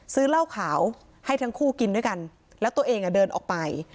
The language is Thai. ซื้อเหล้าขาวให้ทั้งคู่กินด้วยกันแล้วตัวเองอ่ะเดินออกไป